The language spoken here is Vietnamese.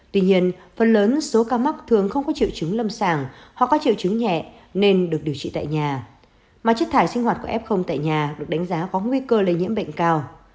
tuy nhiên phần lớn số ca mắc thường không có triệu chứng lâm sàng họ có triệu chứng nhẹ nên được điều trị tại nhà mà chất thải sinh hoạt của f tại nhà được đánh giá có nguy cơ lây nhiễm bệnh cao